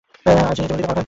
নিজের জীবন দিতে পারবেন?